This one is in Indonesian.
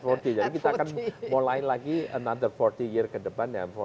jadi kita akan mulai lagi another empat puluh year ke depan ya